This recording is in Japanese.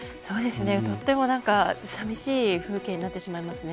とても寂しい風景になってしまいますね。